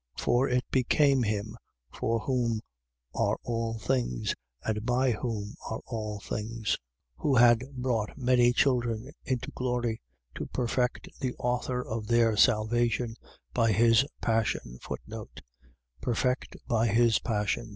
2:10. For it became him for whom are all things and by whom are all things, who had brought many children into glory, to perfect the author of their salvation, by his passion. Perfect by his passion.